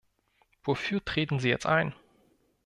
Wofür treten Sie jetzt ein?